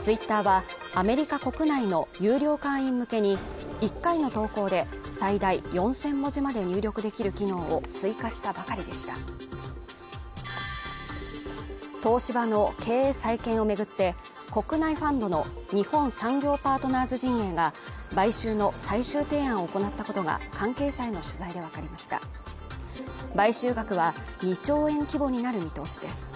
Ｔｗｉｔｔｅｒはアメリカ国内の有料会員向けに１回の投稿で最大４０００文字まで入力できる機能を追加したばかりでした東芝の経営再建を巡って国内ファンドの日本産業パートナーズ陣営が買収の最終提案を行ったことが関係者への取材で分かりました買収額は２兆円規模になる見通しです